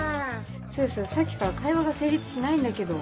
そよそよさっきから会話が成立しないんだけど。